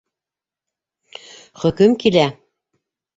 —Хөкөм килә!